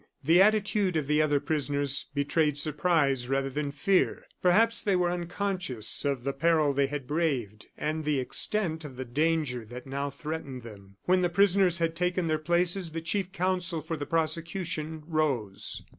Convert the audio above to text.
The attitude of the other prisoners betrayed surprise rather than fear. Perhaps they were unconscious of the peril they had braved, and the extent of the danger that now threatened them. When the prisoners had taken their places, the chief counsel for the prosecution rose.